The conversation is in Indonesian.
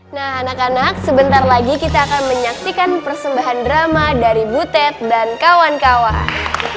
nah anak anak sebentar lagi kita akan menyaksikan persembahan drama dari butet dan kawan kawan